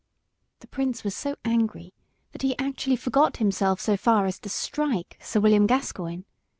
The prince was so angry that he actually forgot himself so far as to strike Sir William Gascoyne.